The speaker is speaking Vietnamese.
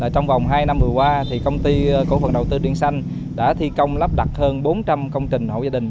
trong vòng hai năm vừa qua công ty cổ phần đầu tư điện xanh đã thi công lắp đặt hơn bốn trăm linh công trình hậu gia đình